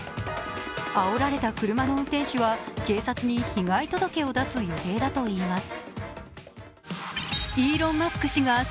あおられた車の運転手は警察に被害届を出す予定だといいます。